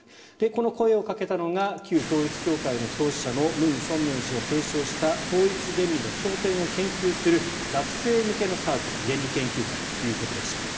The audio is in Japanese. この声をかけたのが旧統一教会の創始者のムン・ソンミョン氏が提唱した統一原理の教典を研究する学生向けのサークル原理研究会ということでした。